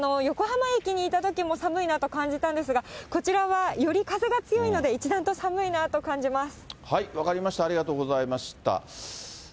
横浜駅にいたときも寒いなと感じたんですが、こちらはより風が強いので、分かりました、ありがとうございました。